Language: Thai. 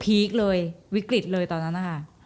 พีคเลยวิกฤทธิ์เลยตอนนั้นน่ะค่ะ